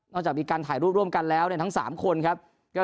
นอกจากมีการถ่ายรูปร่วมกันแล้วเนี้ยทั้งสามคนครับก็